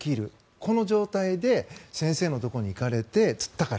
この状態で先生のところに行かれてつったから。